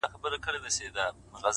خو اوس دي گراني دا درسونه سخت كړل-